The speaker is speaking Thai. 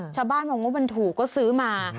ชาวบ้านมองว่ามันถูกก็ซื้อมา